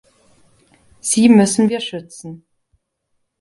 Sie müssen wir schützen.